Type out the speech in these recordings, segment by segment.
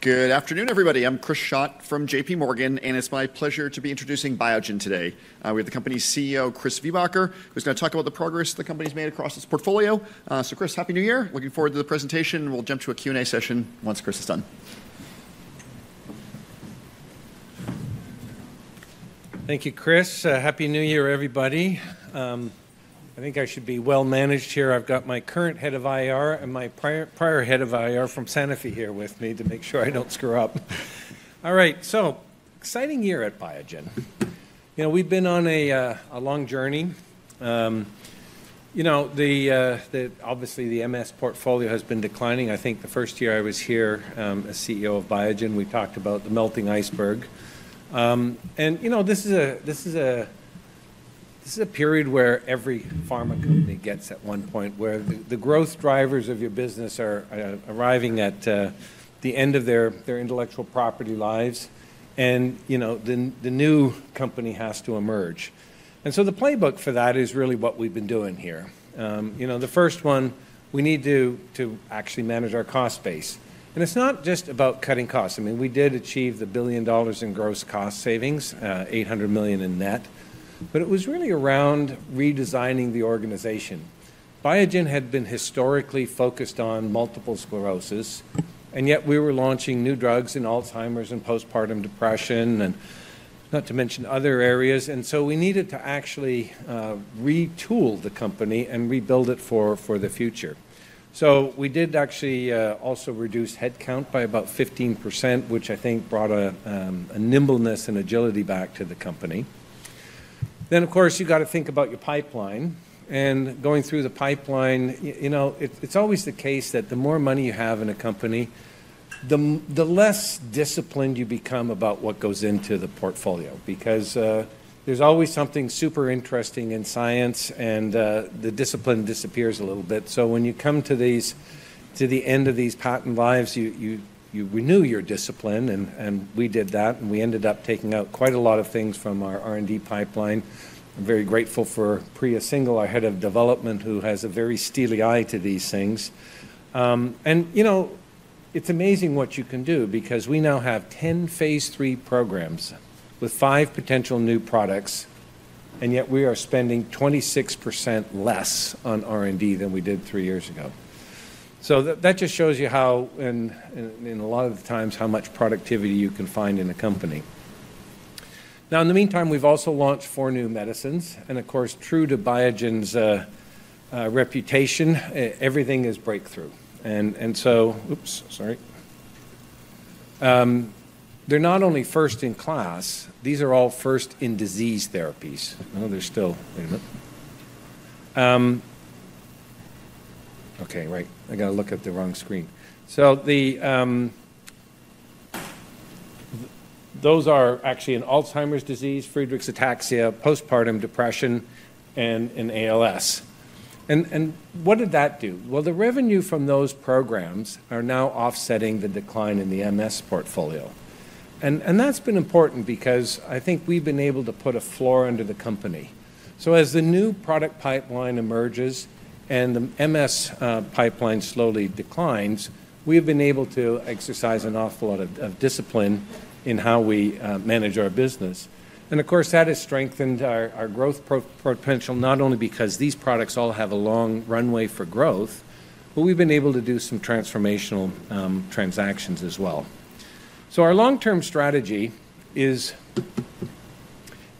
Good afternoon, everybody. I'm Chris Schott from JPMorgan, and it's my pleasure to be introducing Biogen today. We have the company's CEO, Chris Viehbacher, who's going to talk about the progress the company's made across its portfolio. So, Chris, happy New Year. Looking forward to the presentation, and we'll jump to a Q&A session once Chris is done. Thank you, Chris. Happy New Year, everybody. I think I should be well-managed here. I've got my current head of IR and my prior head of IR from Sanofi here with me to make sure I don't screw up. All right, so exciting year at Biogen. You know, we've been on a long journey. You know, obviously, the MS portfolio has been declining. I think the first year I was here as CEO of Biogen, we talked about the melting iceberg. And, you know, this is a period where every pharma company gets at one point where the growth drivers of your business are arriving at the end of their intellectual property lives, and, you know, the new company has to emerge. And so the playbook for that is really what we've been doing here. You know, the first one, we need to actually manage our cost base. It's not just about cutting costs. I mean, we did achieve $1 billion in gross cost savings, $800 million in net, but it was really around redesigning the organization. Biogen had been historically focused on multiple sclerosis, and yet we were launching new drugs in Alzheimer's and postpartum depression, and not to mention other areas. We needed to actually retool the company and rebuild it for the future. We did actually also reduce headcount by about 15%, which I think brought a nimbleness and agility back to the company. Of course, you've got to think about your pipeline. Going through the pipeline, you know, it's always the case that the more money you have in a company, the less disciplined you become about what goes into the portfolio, because there's always something super interesting in science, and the discipline disappears a little bit. When you come to the end of these patent lives, you renew your discipline, and we did that. We ended up taking out quite a lot of things from our R&D pipeline. I'm very grateful for Priya Singhal, our head of development, who has a very steely eye to these things. You know, it's amazing what you can do, because we now have 10 phase III programs with five potential new products, and yet we are spending 26% less on R&D than we did three years ago. That just shows you how, in a lot of the times, how much productivity you can find in a company. Now, in the meantime, we've also launched four new medicines. Of course, true to Biogen's reputation, everything is breakthrough. So, oops, sorry. They're not only first in class, these are all first in disease therapies. Oh, there's still, wait a minute. Okay, right, I got to look at the wrong screen. So those are actually in Alzheimer's disease, Friedreich's ataxia, postpartum depression, and ALS. And what did that do? Well, the revenue from those programs are now offsetting the decline in the MS portfolio. And that's been important because I think we've been able to put a floor under the company. So as the new product pipeline emerges and the MS pipeline slowly declines, we've been able to exercise an awful lot of discipline in how we manage our business. And, of course, that has strengthened our growth potential, not only because these products all have a long runway for growth, but we've been able to do some transformational transactions as well. So our long-term strategy is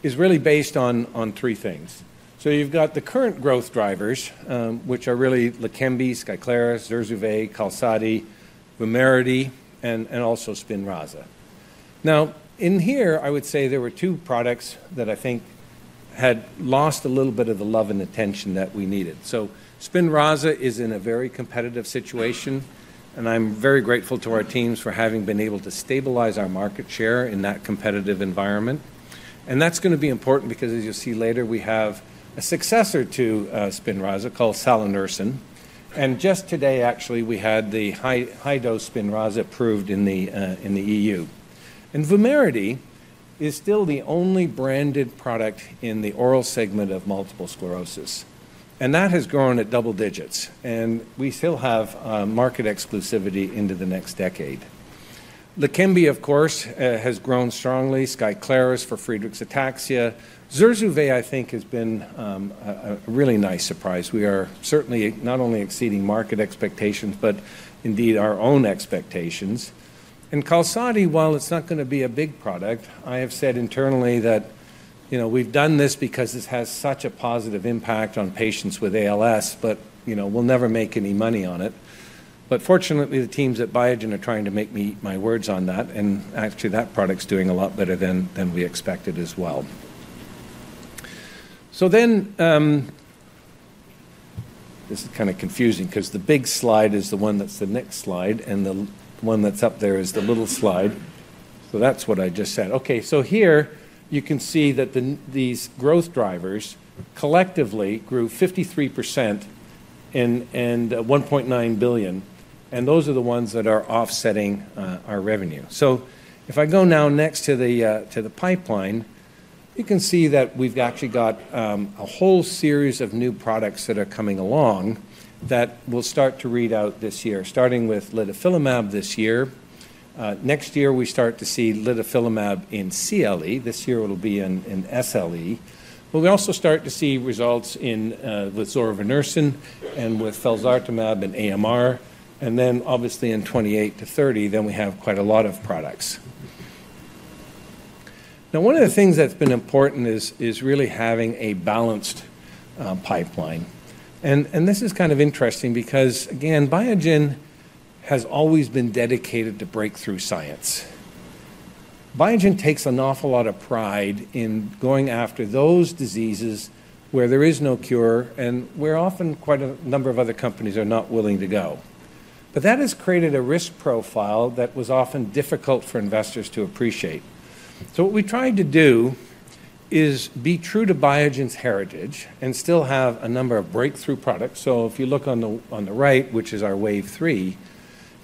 really based on three things. You've got the current growth drivers, which are really Leqembi, Skyclarys, Zurzuvae, Qalsody, Vumerity, and also Spinraza. Now, in here, I would say there were two products that I think had lost a little bit of the love and attention that we needed. Spinraza is in a very competitive situation, and I'm very grateful to our teams for having been able to stabilize our market share in that competitive environment. That's going to be important because, as you'll see later, we have a successor to Spinraza called BIIB115. Just today, actually, we had the high-dose Spinraza approved in the EU. Vumerity is still the only branded product in the oral segment of multiple sclerosis. That has grown at double digits, and we still have market exclusivity into the next decade. Leqembi, of course, has grown strongly. Skyclarys for Friedreich's ataxia. Zurzuvae, I think, has been a really nice surprise. We are certainly not only exceeding market expectations, but indeed our own expectations. And Qalsody, while it's not going to be a big product, I have said internally that, you know, we've done this because this has such a positive impact on patients with ALS, but, you know, we'll never make any money on it. But fortunately, the teams at Biogen are trying to make me eat my words on that. And actually, that product's doing a lot better than we expected as well. So then, this is kind of confusing because the big slide is the one that's the next slide, and the one that's up there is the little slide. So that's what I just said. Okay, so here you can see that these growth drivers collectively grew 53% and $1.9 billion. And those are the ones that are offsetting our revenue. So if I go now next to the pipeline, you can see that we've actually got a whole series of new products that are coming along that we'll start to read out this year, starting with Litifilimab this year. Next year, we start to see Litifilimab in CLE. This year, it'll be in SLE. But we also start to see results with Zorevunersen and with Felzartamab and AMR. And then, obviously, in 2028 to 2030, then we have quite a lot of products. Now, one of the things that's been important is really having a balanced pipeline. And this is kind of interesting because, again, Biogen has always been dedicated to breakthrough science. Biogen takes an awful lot of pride in going after those diseases where there is no cure and where often quite a number of other companies are not willing to go. But that has created a risk profile that was often difficult for investors to appreciate. So what we tried to do is be true to Biogen's heritage and still have a number of breakthrough products. So if you look on the right, which is our Wave 3,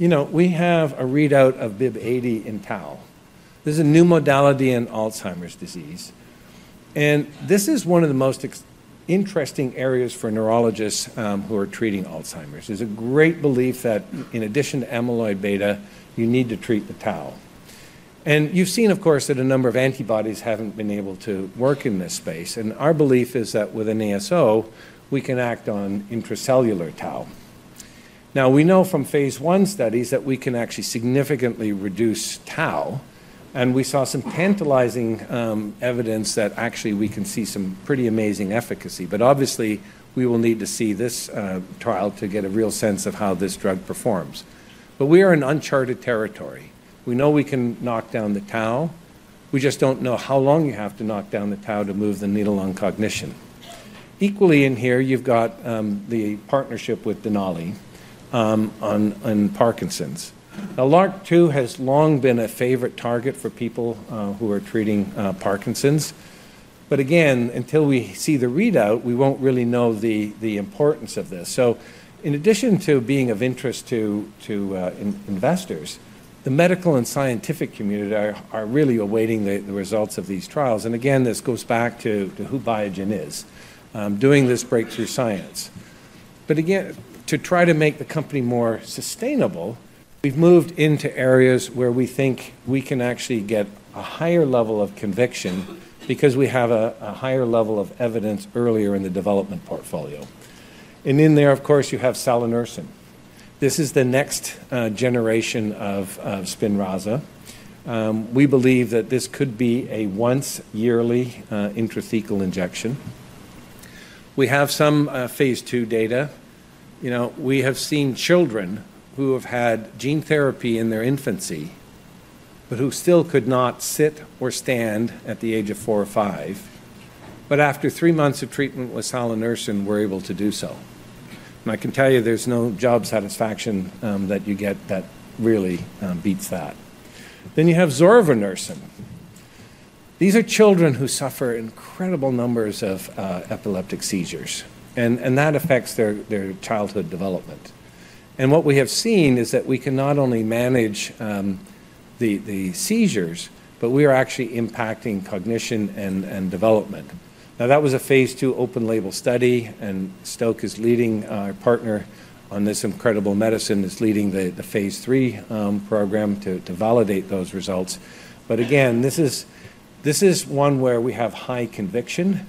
you know, we have a readout of BIIB080 in tau. This is a new modality in Alzheimer's disease. And this is one of the most interesting areas for neurologists who are treating Alzheimer's. There's a great belief that in addition to amyloid beta, you need to treat the tau. And you've seen, of course, that a number of antibodies haven't been able to work in this space. Our belief is that with an ASO, we can act on intracellular tau. Now, we know from phase I studies that we can actually significantly reduce tau. And we saw some tantalizing evidence that actually we can see some pretty amazing efficacy. But obviously, we will need to see this trial to get a real sense of how this drug performs. But we are in uncharted territory. We know we can knock down the tau. We just don't know how long you have to knock down the tau to move the needle on cognition. Equally in here, you've got the partnership with Denali on Parkinson's. Now, LRRK2 has long been a favorite target for people who are treating Parkinson's. But again, until we see the readout, we won't really know the importance of this. In addition to being of interest to investors, the medical and scientific community are really awaiting the results of these trials. And again, this goes back to who Biogen is, doing this breakthrough science. But again, to try to make the company more sustainable, we've moved into areas where we think we can actually get a higher level of conviction because we have a higher level of evidence earlier in the development portfolio. And in there, of course, you have BIIB115. This is the next generation of Spinraza. We believe that this could be a once yearly intrathecal injection. We have some phase II data. You know, we have seen children who have had gene therapy in their infancy but who still could not sit or stand at the age of four or five. But after three months of treatment with BIIB115, we're able to do so. I can tell you there's no job satisfaction that you get that really beats that. You have zorevunersen. These are children who suffer incredible numbers of epileptic seizures, and that affects their childhood development. What we have seen is that we can not only manage the seizures, but we are actually impacting cognition and development. Now, that was a phase II open-label study, and Stoke, our partner on this incredible medicine, is leading the phase III program to validate those results. Again, this is one where we have high conviction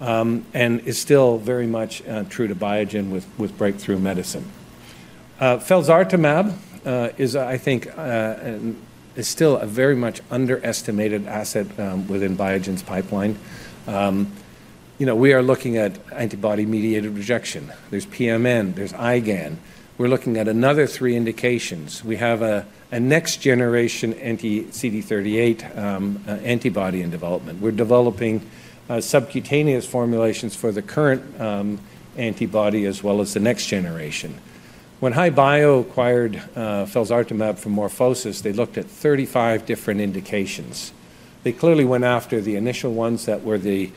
and is still very much true to Biogen with breakthrough medicine. Felzartamab is, I think, still a very much underestimated asset within Biogen's pipeline. You know, we are looking at antibody-mediated rejection. There's PMN. There's IgA nephropathy. We're looking at another three indications. We have a next-generation anti-CD38 antibody in development. We're developing subcutaneous formulations for the current antibody as well as the next generation. When HI-Bio acquired Felzartamab from MorphoSys, they looked at 35 different indications. They clearly went after the initial ones that were the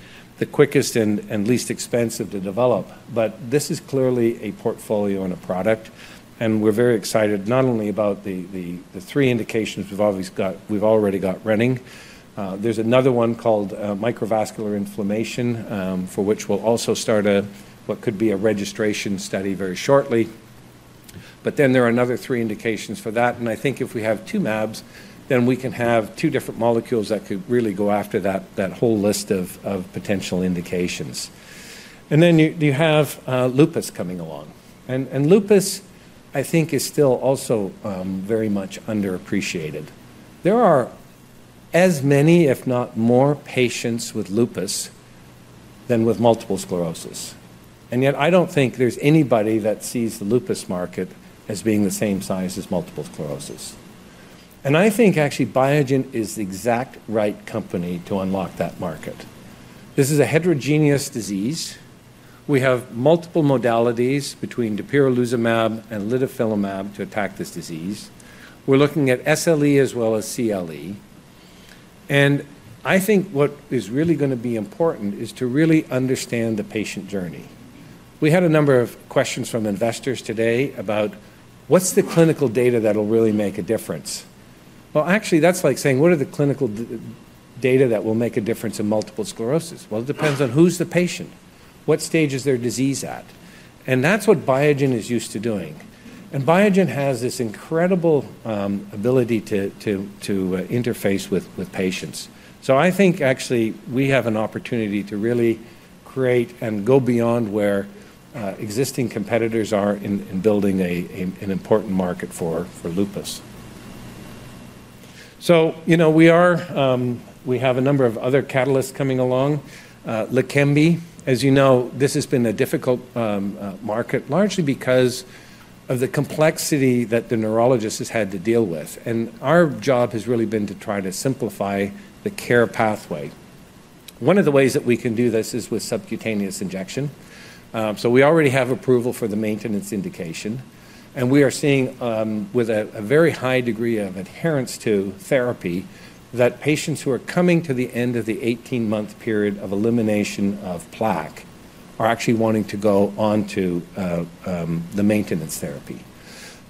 quickest and least expensive to develop. But this is clearly a portfolio and a product, and we're very excited not only about the three indications we've already got running. There's another one called microvascular inflammation, for which we'll also start what could be a registration study very shortly. But then there are another three indications for that. And I think if we have two MABs, then we can have two different molecules that could really go after that whole list of potential indications. And then you have lupus coming along. And lupus, I think, is still also very much underappreciated. There are as many, if not more, patients with lupus than with multiple sclerosis. And yet I don't think there's anybody that sees the lupus market as being the same size as multiple sclerosis. And I think actually Biogen is the exact right company to unlock that market. This is a heterogeneous disease. We have multiple modalities between dapirolizumab and litifilimab to attack this disease. We're looking at SLE as well as CLE. And I think what is really going to be important is to really understand the patient journey. We had a number of questions from investors today about what's the clinical data that'll really make a difference. Well, actually, that's like saying, what are the clinical data that will make a difference in multiple sclerosis? Well, it depends on who's the patient, what stage is their disease at. And that's what Biogen is used to doing. And Biogen has this incredible ability to interface with patients. So I think actually we have an opportunity to really create and go beyond where existing competitors are in building an important market for lupus. So, you know, we have a number of other catalysts coming along. Leqembi, as you know. This has been a difficult market, largely because of the complexity that the neurologist has had to deal with. And our job has really been to try to simplify the care pathway. One of the ways that we can do this is with subcutaneous injection. So we already have approval for the maintenance indication. And we are seeing, with a very high degree of adherence to therapy, that patients who are coming to the end of the 18-month period of elimination of plaque are actually wanting to go on to the maintenance therapy.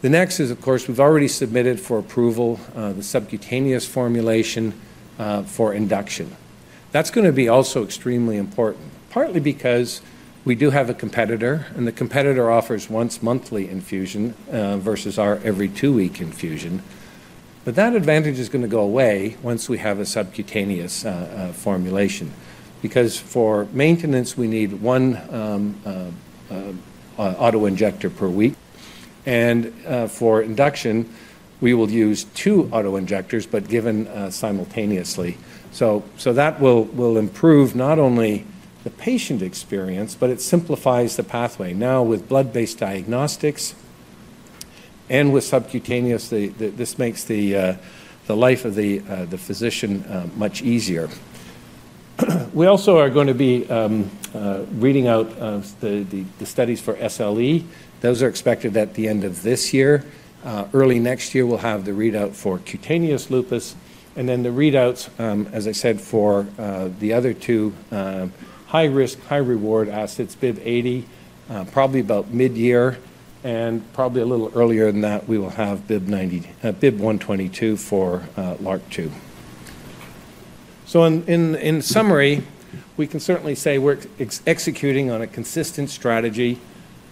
The next is, of course. We've already submitted for approval the subcutaneous formulation for induction. That's going to be also extremely important, partly because we do have a competitor, and the competitor offers once monthly infusion versus our every two-week infusion. But that advantage is going to go away once we have a subcutaneous formulation because for maintenance, we need one autoinjector per week. And for induction, we will use two autoinjectors, but given simultaneously. So that will improve not only the patient experience, but it simplifies the pathway. Now, with blood-based diagnostics and with subcutaneous, this makes the life of the physician much easier. We also are going to be reading out the studies for SLE. Those are expected at the end of this year. Early next year, we'll have the readout for cutaneous lupus. And then the readouts, as I said, for the other two high-risk, high-reward assets, BIIB080, probably about mid-year. Probably a little earlier than that, we will have BIIB122 for LRRK2. In summary, we can certainly say we're executing on a consistent strategy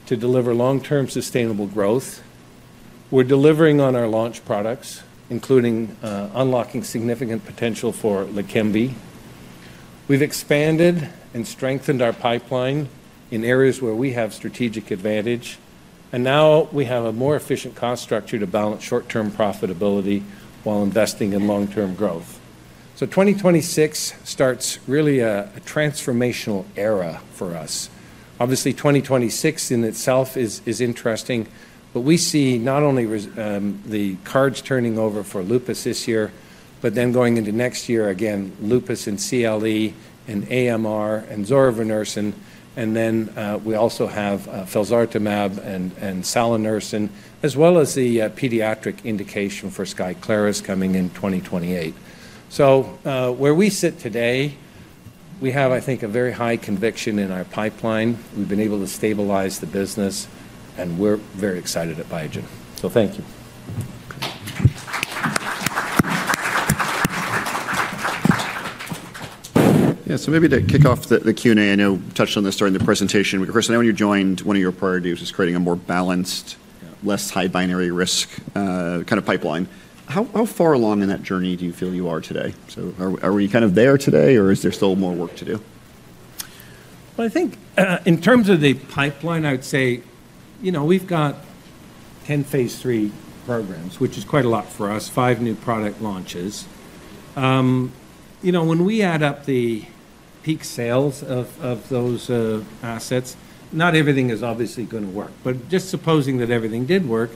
to deliver long-term sustainable growth. We're delivering on our launch products, including unlocking significant potential for Leqembi. We've expanded and strengthened our pipeline in areas where we have strategic advantage. Now we have a more efficient cost structure to balance short-term profitability while investing in long-term growth. 2026 starts really a transformational era for us. Obviously, 2026 in itself is interesting, but we see not only the cards turning over for lupus this year, but then going into next year, again, lupus and CLE and AMR and Zorevunersen. We also have Felzartamab and Litifilimab, as well as the pediatric indication for Skyclarys coming in 2028. So where we sit today, we have, I think, a very high conviction in our pipeline. We've been able to stabilize the business, and we're very excited at Biogen. So thank you. Yeah, so maybe to kick off the Q&A, I know we touched on this during the presentation. Chris, I know when you joined, one of your priorities was creating a more balanced, less high-binary risk kind of pipeline. How far along in that journey do you feel you are today? So are we kind of there today, or is there still more work to do? Well, I think in terms of the pipeline, I would say, you know, we've got 10 phase III programs, which is quite a lot for us, five new product launches. You know, when we add up the peak sales of those assets, not everything is obviously going to work. But just supposing that everything did work,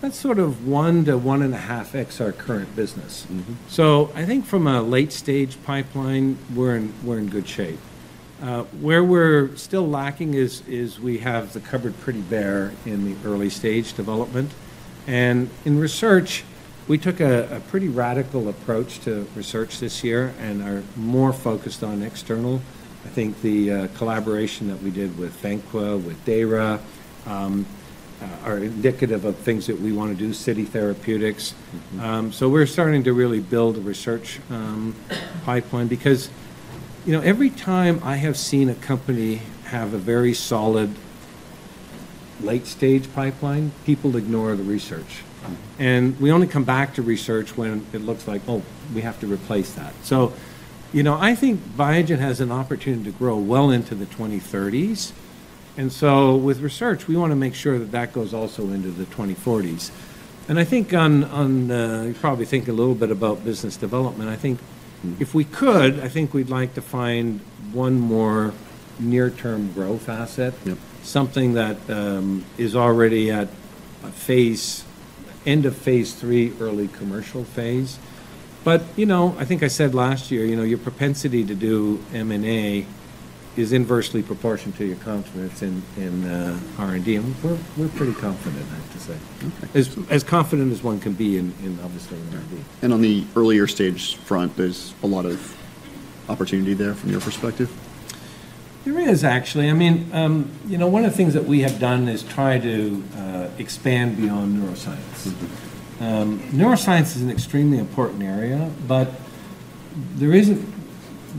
that's sort of one to one and a half x our current business. So I think from a late-stage pipeline, we're in good shape. Where we're still lacking is we have the cupboard pretty bare in the early-stage development. And in research, we took a pretty radical approach to research this year and are more focused on external. I think the collaboration that we did with Fanqua, with DARA are indicative of things that we want to do, City Therapeutics. So we're starting to really build a research pipeline because, you know, every time I have seen a company have a very solid late-stage pipeline, people ignore the research. And we only come back to research when it looks like, oh, we have to replace that. So, you know, I think Biogen has an opportunity to grow well into the 2030s. With research, we want to make sure that that goes also into the 2040s. I think on the, you probably think a little bit about business development. I think if we could, I think we'd like to find one more near-term growth asset, something that is already at a phase, end of phase III early commercial phase. But, you know, I think I said last year, you know, your propensity to do M&A is inversely proportional to your confidence in R&D. We're pretty confident, I have to say, as confident as one can be in obviously R&D. On the earlier stage front, there's a lot of opportunity there from your perspective? There is, actually. I mean, you know, one of the things that we have done is try to expand beyond neuroscience. Neuroscience is an extremely important area, but there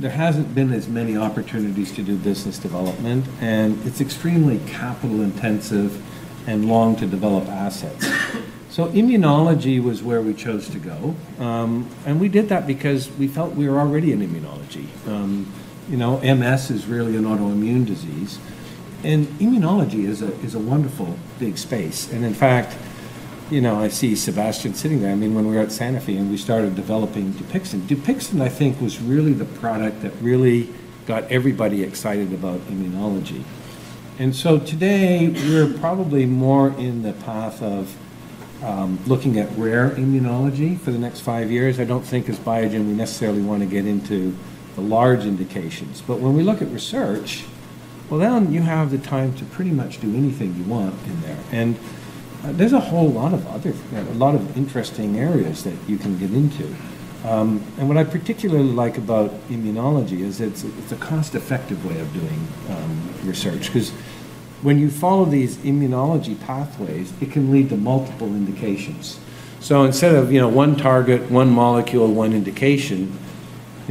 hasn't been as many opportunities to do business development, and it's extremely capital-intensive and long-to-develop assets. Immunology was where we chose to go. We did that because we felt we were already in immunology. You know, MS is really an autoimmune disease. Immunology is a wonderful big space. In fact, you know, I see Sebastian sitting there. I mean, when we were at Sanofi and we started developing Dupixent, Dupixent, I think, was really the product that really got everybody excited about immunology. Today, we're probably more in the path of looking at rare immunology for the next five years. I don't think as Biogen we necessarily want to get into the large indications. When we look at research, well, then you have the time to pretty much do anything you want in there. There's a whole lot of other things, a lot of interesting areas that you can get into. What I particularly like about immunology is it's a cost-effective way of doing research because when you follow these immunology pathways, it can lead to multiple indications. So instead of, you know, one target, one molecule, one indication,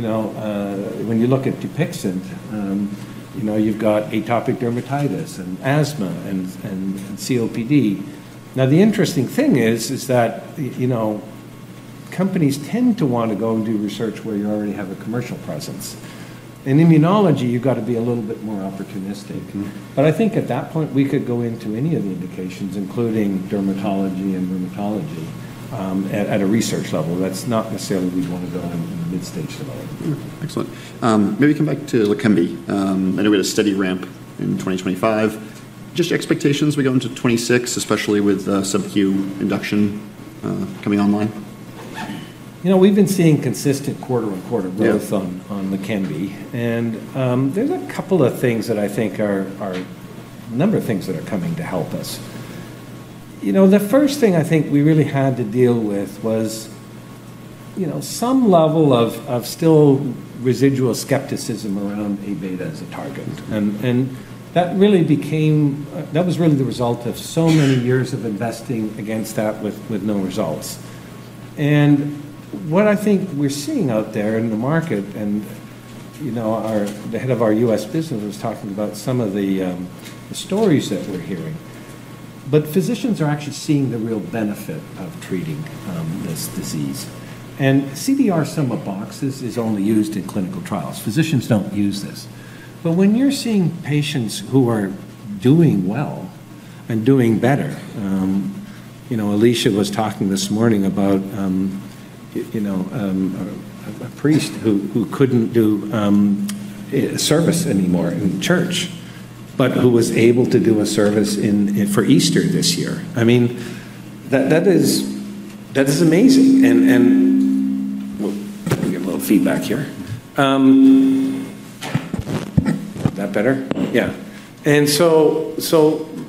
you know, when you look at Dupixent, you know, you've got atopic dermatitis and asthma and COPD. Now, the interesting thing is that, you know, companies tend to want to go and do research where you already have a commercial presence. In immunology, you've got to be a little bit more opportunistic. But I think at that point, we could go into any of the indications, including dermatology and rheumatology, at a research level. That's not necessarily we want to go into mid-stage development. Excellent. Maybe come back to Leqembi. I know we had a steady ramp in 2025. Just expectations we go into 2026, especially with subQ induction coming online? You know, we've been seeing consistent quarter-on-quarter growth on Leqembi, and there's a couple of things that I think are a number of things that are coming to help us. You know, the first thing I think we really had to deal with was, you know, some level of still residual skepticism around A beta as a target, and that really became, that was really the result of so many years of investing against that with no results, and what I think we're seeing out there in the market, and you know, the head of our U.S. business was talking about some of the stories that we're hearing, but physicians are actually seeing the real benefit of treating this disease. CDR sum of boxes is only used in clinical trials. Physicians don't use this. When you're seeing patients who are doing well and doing better, you know, Alisha was talking this morning about, you know, a priest who couldn't do service anymore in church, but who was able to do a service for Easter this year. I mean, that is amazing. We'll get a little feedback here. That better? Yeah. So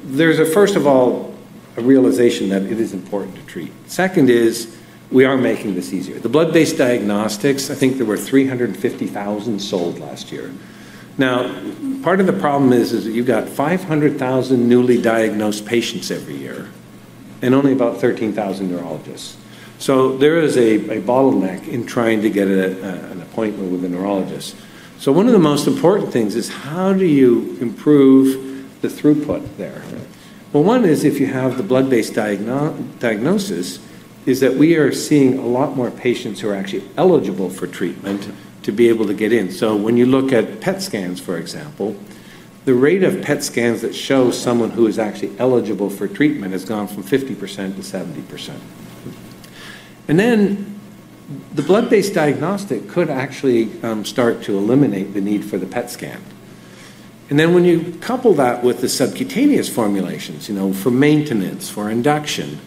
there's a, first of all, a realization that it is important to treat. Second is we are making this easier. The blood-based diagnostics, I think there were 350,000 sold last year. Now, part of the problem is that you've got 500,000 newly diagnosed patients every year and only about 13,000 neurologists. So there is a bottleneck in trying to get an appointment with a neurologist. So one of the most important things is how do you improve the throughput there? Well, one is if you have the blood-based diagnosis, is that we are seeing a lot more patients who are actually eligible for treatment to be able to get in. So when you look at PET scans, for example, the rate of PET scans that show someone who is actually eligible for treatment has gone from 50%-70%. And then the blood-based diagnostic could actually start to eliminate the need for the PET scan. And then when you couple that with the subcutaneous formulations, you know, for maintenance, for induction,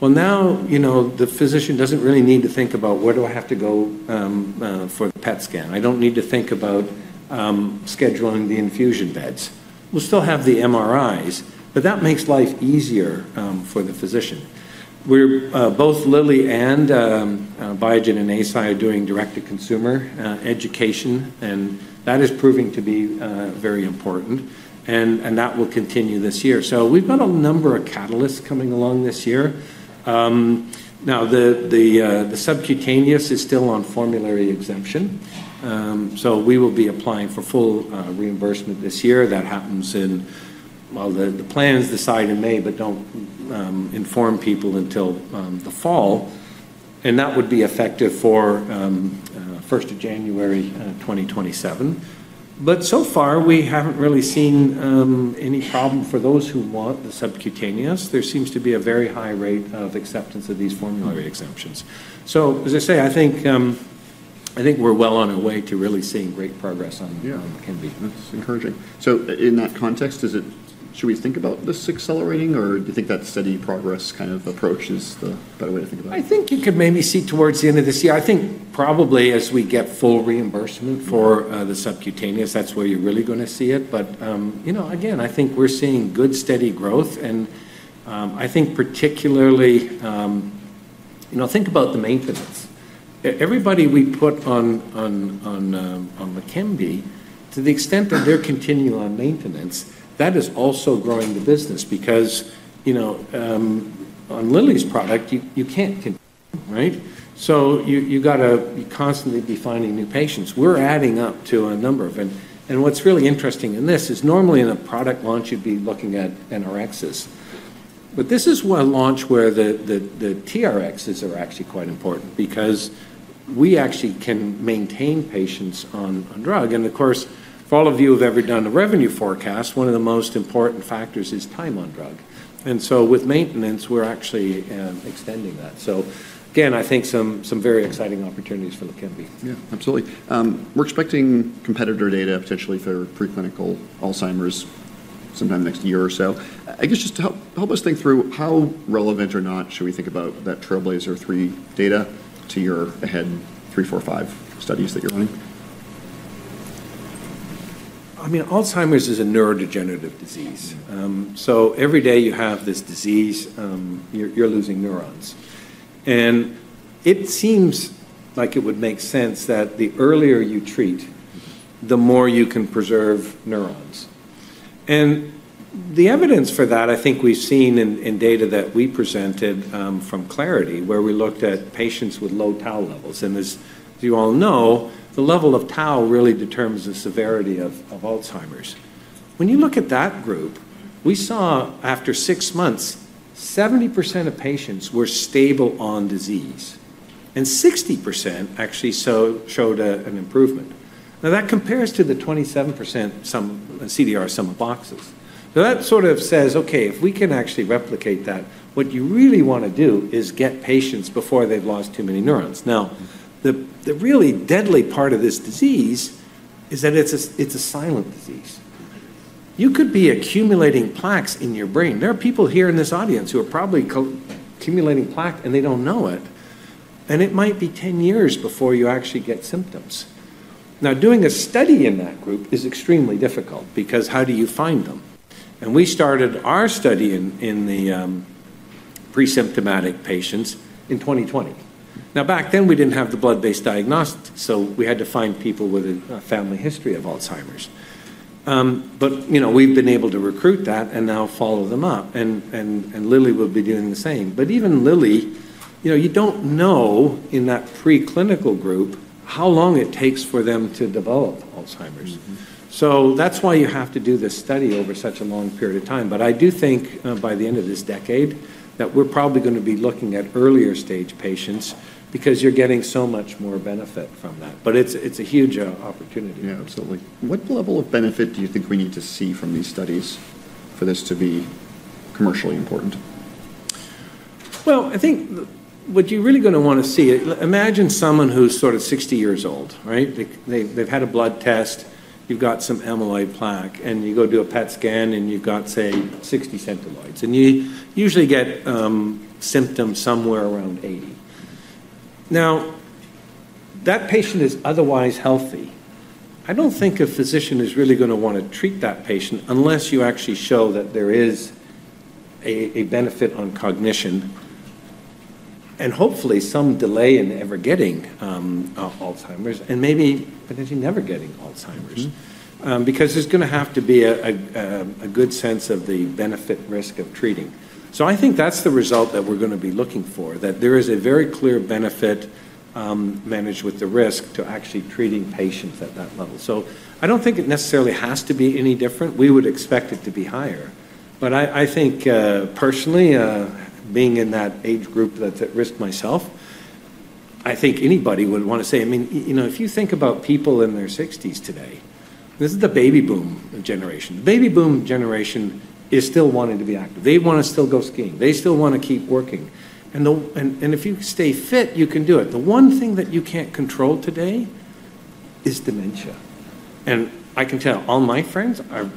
well, now, you know, the physician doesn't really need to think about, where do I have to go for the PET scan? I don't need to think about scheduling the infusion beds. We'll still have the MRIs, but that makes life easier for the physician. We're both Lilly and Biogen and Eisai doing direct-to-consumer education, and that is proving to be very important. And that will continue this year. So we've got a number of catalysts coming along this year. Now, the subcutaneous is still on formulary exemption. So we will be applying for full reimbursement this year. That happens in, well, the plans decide in May, but don't inform people until the fall. And that would be effective for 1st of January 2027. But so far, we haven't really seen any problem for those who want the subcutaneous. There seems to be a very high rate of acceptance of these formulary exemptions. So as I say, I think we're well on our way to really seeing great progress on Leqembi. That's encouraging. So in that context, should we think about this accelerating, or do you think that steady progress kind of approach is the better way to think about it? I think you could maybe see towards the end of this year. I think probably as we get full reimbursement for the subcutaneous, that's where you're really going to see it. But, you know, again, I think we're seeing good steady growth. And I think particularly, you know, think about the maintenance. Everybody we put on Leqembi, to the extent that they're continuing on maintenance, that is also growing the business because, you know, on Lilly's product, you can't. Right? So you got to constantly be finding new patients. We're adding up to a number of them. And what's really interesting in this is normally in a product launch, you'd be looking at NRXs. But this is a launch where the TRXs are actually quite important because we actually can maintain patients on drug. And of course, for all of you who have ever done a revenue forecast, one of the most important factors is time on drug. And so with maintenance, we're actually extending that. So again, I think some very exciting opportunities for LEQEMBI. Yeah, absolutely. We're expecting competitor data potentially for preclinical Alzheimer's sometime next year or so. I guess just to help us think through how relevant or not should we think about that TRAILBLAZER-ALZ 3 data to your AHEAD 3-45 studies that you're running? I mean, Alzheimer's is a neurodegenerative disease. So every day you have this disease, you're losing neurons. And it seems like it would make sense that the earlier you treat, the more you can preserve neurons. And the evidence for that, I think we've seen in data that we presented from Clarity, where we looked at patients with low tau levels. And as you all know, the level of tau really determines the severity of Alzheimer's. When you look at that group, we saw after six months, 70% of patients were stable on disease. And 60% actually showed an improvement. Now, that compares to the 27% CDR sum of boxes. So that sort of says, okay, if we can actually replicate that, what you really want to do is get patients before they've lost too many neurons. Now, the really deadly part of this disease is that it's a silent disease. You could be accumulating plaques in your brain. There are people here in this audience who are probably accumulating plaque, and they don't know it. It might be 10 years before you actually get symptoms. Now, doing a study in that group is extremely difficult because how do you find them? We started our study in the pre-symptomatic patients in 2020. Now, back then, we didn't have the blood-based diagnostics, so we had to find people with a family history of Alzheimer's. You know, we've been able to recruit that and now follow them up. Lilly will be doing the same. Even Lilly, you know, you don't know in that preclinical group how long it takes for them to develop Alzheimer's. That's why you have to do this study over such a long period of time. I do think by the end of this decade that we're probably going to be looking at earlier stage patients because you're getting so much more benefit from that. But it's a huge opportunity. Yeah, absolutely. What level of benefit do you think we need to see from these studies for this to be commercially important? Well, I think what you're really going to want to see, imagine someone who's sort of 60 years old, right? They've had a blood test, you've got some amyloid plaque, and you go do a PET scan and you've got, say, 60 Centiloids. And you usually get symptoms somewhere around 80. Now, that patient is otherwise healthy. I don't think a physician is really going to want to treat that patient unless you actually show that there is a benefit on cognition and hopefully some delay in ever getting Alzheimer's and maybe potentially never getting Alzheimer's because there's going to have to be a good sense of the benefit-risk of treating. So I think that's the result that we're going to be looking for, that there is a very clear benefit managed with the risk to actually treating patients at that level. So I don't think it necessarily has to be any different. We would expect it to be higher. But I think personally, being in that age group that's at risk myself, I think anybody would want to say, I mean, you know, if you think about people in their 60s today, this is the baby boom generation. The baby boom generation is still wanting to be active. They want to still go skiing. They still want to keep working. And if you stay fit, you can do it. The one thing that you can't control today is dementia. And I can tell all my friends are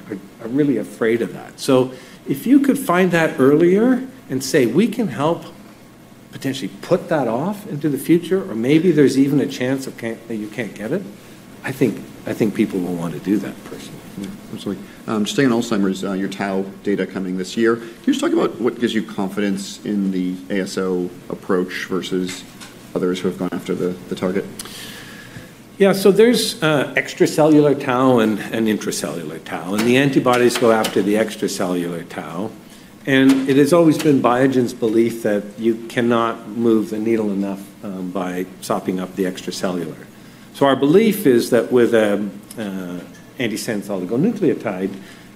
really afraid of that. So if you could find that earlier and say, we can help potentially put that off into the future, or maybe there's even a chance that you can't get it. I think people will want to do that personally. Absolutely. Just staying on Alzheimer's, your tau data coming this year. Can you just talk about what gives you confidence in the ASO approach versus others who have gone after the target? Yeah, so there's extracellular tau and intracellular tau. And the antibodies go after the extracellular tau. And it has always been Biogen's belief that you cannot move the needle enough by sopping up the extracellular. So our belief is that with an antisense oligonucleotide,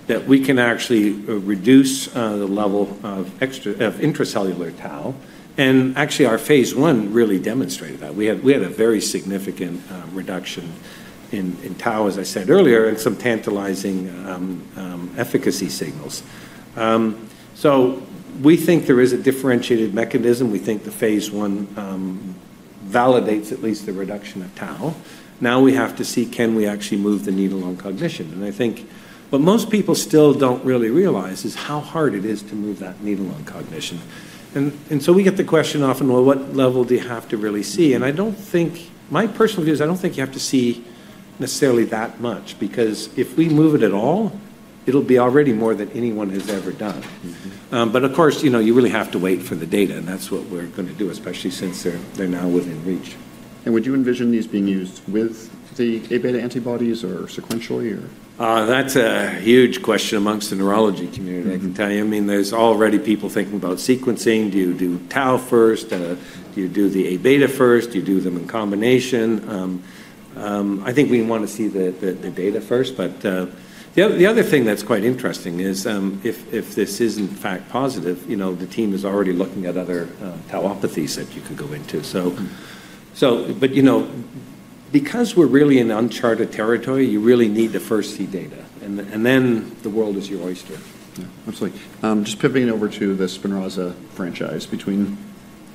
that we can actually reduce the level of intracellular tau. And actually, our phase I really demonstrated that. We had a very significant reduction in tau, as I said earlier, and some tantalizing efficacy signals. We think there is a differentiated mechanism. We think the phase I validates at least the reduction of Tau. Now we have to see, can we actually move the needle on cognition? I think what most people still don't really realize is how hard it is to move that needle on cognition. So we get the question often, well, what level do you have to really see? I don't think, my personal view is I don't think you have to see necessarily that much because if we move it at all, it'll be already more than anyone has ever done. But of course, you know, you really have to wait for the data. That's what we're going to do, especially since they're now within reach. Would you envision these being used with the A beta antibodies or sequentially? That's a huge question amongst the neurology community, I can tell you. I mean, there's already people thinking about sequencing. Do you do tau first? Do you do the A beta first? Do you do them in combination? I think we want to see the data first. But the other thing that's quite interesting is if this is in fact positive, you know, the team is already looking at other tauopathies that you could go into. So, but you know, because we're really in uncharted territory, you really need to first see data. And then the world is your oyster. Yeah, absolutely. Just pivoting over to the Spinraza franchise between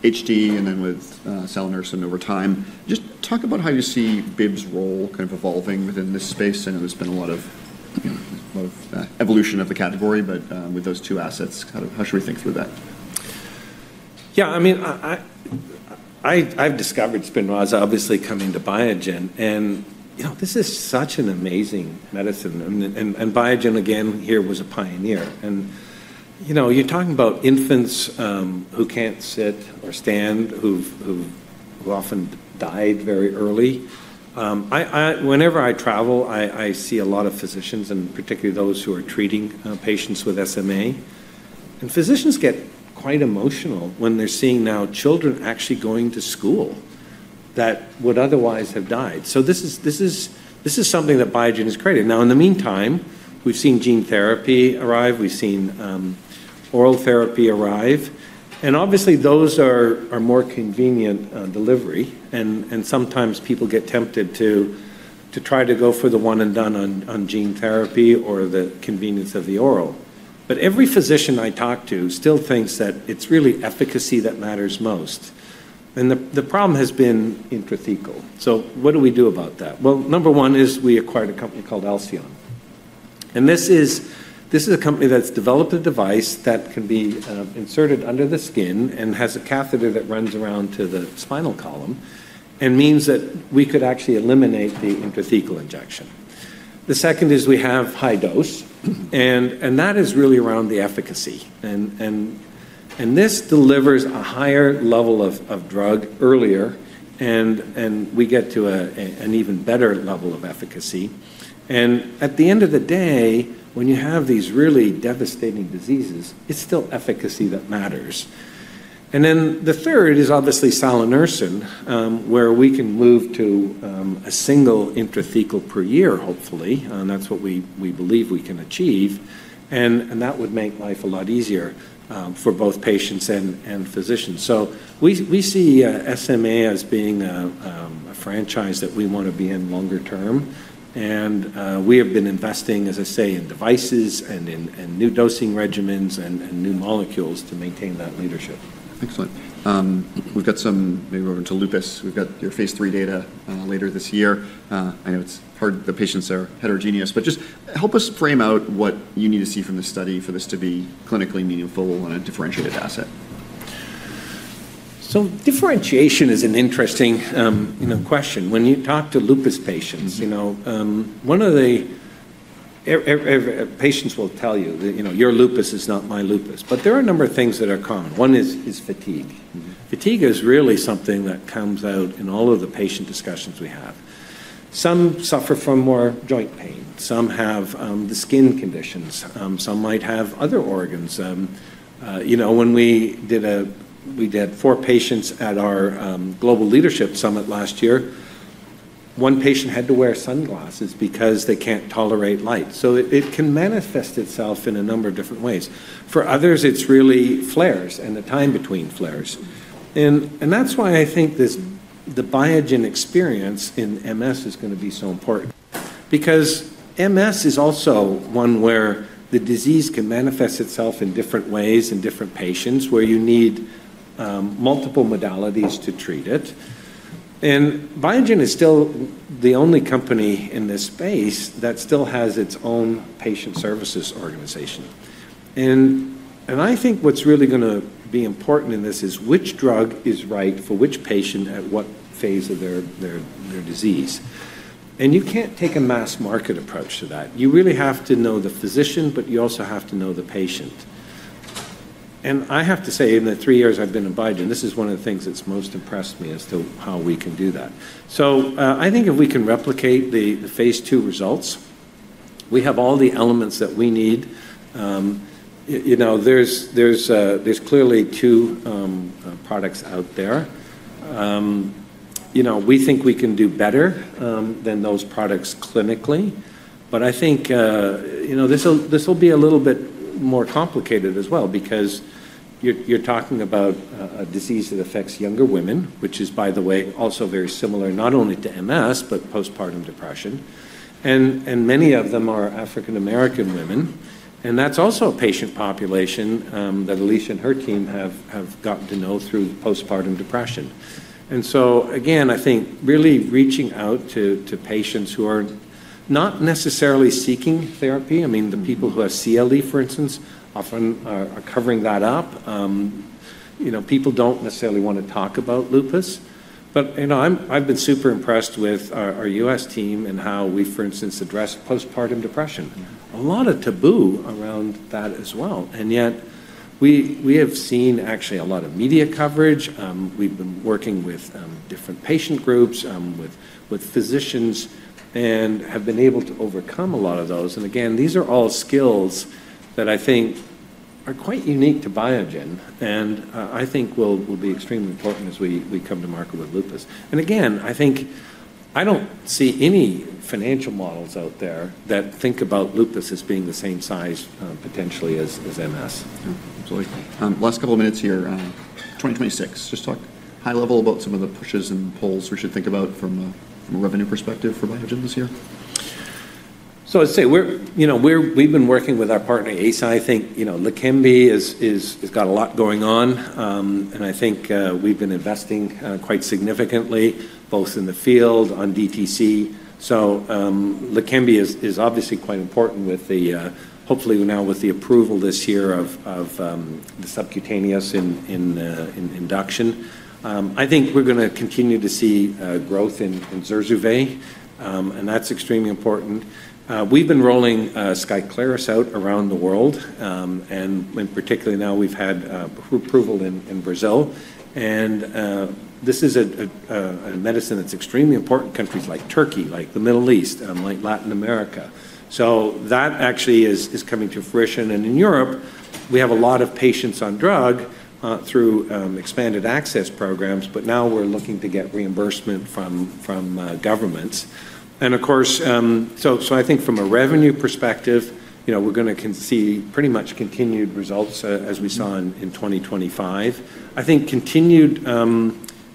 HD and then with nusinersen over time. Just talk about how you see Biogen's role kind of evolving within this space. I know there's been a lot of evolution of the category, but with those two assets, how should we think through that? Yeah, I mean, I've discovered SPINRAZA, obviously coming to Biogen, and you know, this is such an amazing medicine, and Biogen, again, here was a pioneer, and you know, you're talking about infants who can't sit or stand, who often died very early. Whenever I travel, I see a lot of physicians and particularly those who are treating patients with SMA, and physicians get quite emotional when they're seeing now children actually going to school that would otherwise have died, so this is something that Biogen has created. Now, in the meantime, we've seen gene therapy arrive. We've seen oral therapy arrive, and obviously, those are more convenient delivery. And sometimes people get tempted to try to go for the one and done on gene therapy or the convenience of the oral. But every physician I talk to still thinks that it's really efficacy that matters most. And the problem has been intrathecal. So what do we do about that? Well, number one is we acquired a company called Alcyone. And this is a company that's developed a device that can be inserted under the skin and has a catheter that runs around to the spinal column and means that we could actually eliminate the intrathecal injection. The second is we have high dose. And that is really around the efficacy. And this delivers a higher level of drug earlier, and we get to an even better level of efficacy. And at the end of the day, when you have these really devastating diseases, it's still efficacy that matters. And then the third is obviously nusinersen, where we can move to a single intrathecal per year, hopefully. And that's what we believe we can achieve. And that would make life a lot easier for both patients and physicians. So we see SMA as being a franchise that we want to be in longer term. And we have been investing, as I say, in devices and in new dosing regimens and new molecules to maintain that leadership. Excellent. We've got some maybe over to lupus. We've got your phase III data later this year. I know it's hard. The patients are heterogeneous. But just help us frame out what you need to see from this study for this to be clinically meaningful on a differentiated asset. So differentiation is an interesting question. When you talk to lupus patients, you know, one of the patients will tell you, you know, your lupus is not my lupus. There are a number of things that are common. One is fatigue. Fatigue is really something that comes out in all of the patient discussions we have. Some suffer from more joint pain. Some have the skin conditions. Some might have other organs. You know, when we did, we did four patients at our global leadership summit last year, one patient had to wear sunglasses because they can't tolerate light. So it can manifest itself in a number of different ways. For others, it's really flares and the time between flares. That's why I think the Biogen experience in MS is going to be so important. Because MS is also one where the disease can manifest itself in different ways in different patients where you need multiple modalities to treat it. And Biogen is still the only company in this space that still has its own patient services organization. And I think what's really going to be important in this is which drug is right for which patient at what phase of their disease. And you can't take a mass market approach to that. You really have to know the physician, but you also have to know the patient. And I have to say, in the three years I've been in Biogen, this is one of the things that's most impressed me as to how we can do that. So I think if we can replicate the phase II results, we have all the elements that we need. You know, there's clearly two products out there. You know, we think we can do better than those products clinically, but I think, you know, this will be a little bit more complicated as well because you're talking about a disease that affects younger women, which is, by the way, also very similar not only to MS, but postpartum depression, and many of them are African-American women, and that's also a patient population that Alicia and her team have gotten to know through postpartum depression, and so, again, I think really reaching out to patients who are not necessarily seeking therapy. I mean, the people who have CLE, for instance, often are covering that up. You know, people don't necessarily want to talk about lupus, but, you know, I've been super impressed with our US team and how we, for instance, address postpartum depression. A lot of taboo around that as well. And yet, we have seen actually a lot of media coverage. We've been working with different patient groups, with physicians, and have been able to overcome a lot of those. And again, these are all skills that I think are quite unique to Biogen. And I think will be extremely important as we come to market with lupus. And again, I think I don't see any financial models out there that think about lupus as being the same size potentially as MS. Absolutely. Last couple of minutes here. 2026. Just talk high level about some of the pushes and pulls we should think about from a revenue perspective for Biogen this year. I'd say we're, you know, we've been working with our partner, ACI. I think, you know, Leqembi has got a lot going on. And I think we've been investing quite significantly, both in the field, on DTC. Leqembi is obviously quite important with the, hopefully now with the approval this year of the subcutaneous induction. I think we're going to continue to see growth in Zurzuvae. And that's extremely important. We've been rollin g Skyclarys out around the world. And particularly now we've had approval in Brazil. And this is a medicine that's extremely important in countries like Turkey, like the Middle East, like Latin America. So that actually is coming to fruition. And in Europe, we have a lot of patients on drug through expanded access programs. But now we're looking to get reimbursement from governments. And of course, so I think from a revenue perspective, you know, we're going to see pretty much continued results as we saw in 2025. I think continued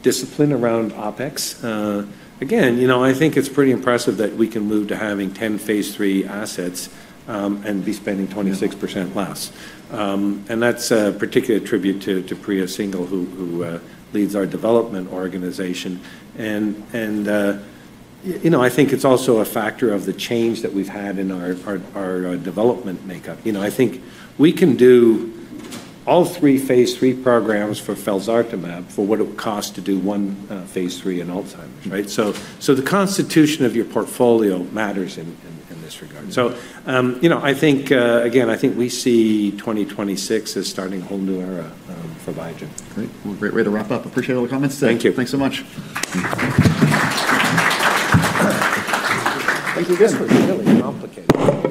discipline around OpEx. Again, you know, I think it's pretty impressive that we can move to having 10 phase III assets and be spending 26% less, and that's a particular tribute to Priya Singhal, who leads our development organization, and, you know, I think it's also a factor of the change that we've had in our development makeup. You know, I think we can do all three phase III programs for Felzartamab for what it would cost to do one phase III in Alzheimer's, right, so the constitution of your portfolio matters in this regard, so, you know, I think, again, I think we see 2026 as starting a whole new era for Biogen. Great, well, great way to wrap up. Appreciate all the comments. Thank you. Thanks so much. Thank you again for the opportunity.